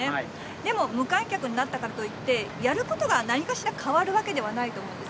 でも無観客になったからといって、やることが何かしら変わるわけではないと思うんです。